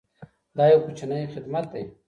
دا یو کوچنی خدمت دی.